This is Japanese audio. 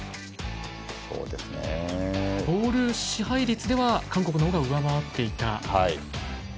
ボール支配では韓国の方が上回っていた。